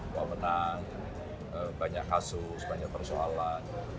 bahwa menang banyak kasus banyak persoalan